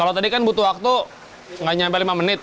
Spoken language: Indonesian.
kalau tadi kan butuh waktu nggak sampai lima menit